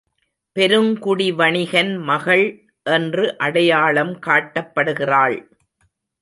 பெருங்குடி வணிகன் மகள் என்று அடையாளம் காட்டப்படுகிறாள்.